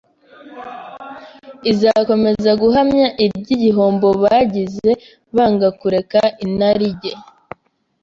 izakomeza guhamya iby’igihombo bagize banga kureka inarijye.